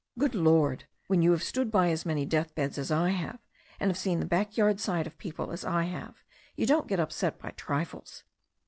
"Good Lord I When you have stood by as many death beds as I have, and have seen the backyard side of people as I have, you don't get upset by trifles."